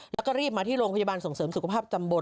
แล้วก็รีบมาที่โรงพยาบาลส่งเสริมสุขภาพตำบล